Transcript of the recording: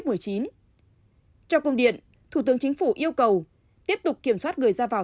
trong công điện thủ tướng chính phủ yêu cầu tiếp tục kiểm soát người ra vào